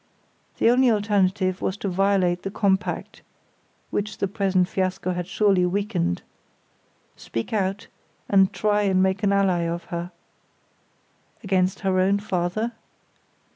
The only alternative was to violate the compact (which the present fiasco had surely weakened), speak out, and try and make an ally of her. Against her own father?